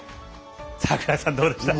櫻井さん、どうでしたか。